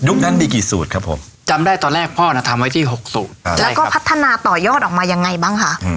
นั้นมีกี่สูตรครับผมจำได้ตอนแรกพ่อน่ะทำไว้ที่๖สูตรแล้วก็พัฒนาต่อยอดออกมายังไงบ้างคะ